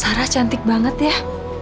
sarah cantik banget ya